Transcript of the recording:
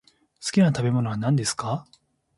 好きな食べ物は何ですか。